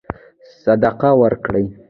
صدقه ورکړي.